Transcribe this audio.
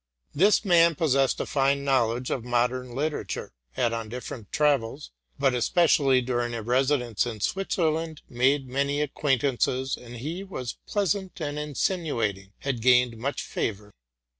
'This man, pos sessing a fine knowledge of modern literature, had, on different travels, but especially during a residence in Switzerland, made many acquaintances, and, as he was pleasant and insinuating, had gained much favor.